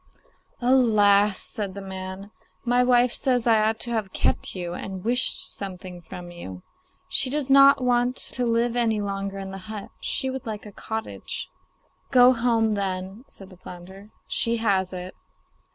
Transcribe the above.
'Alas!' said the man, 'my wife says I ought to have kept you and wished something from you. She does not want to live any longer in the hut; she would like a cottage.' 'Go home, then,' said the flounder; 'she has it.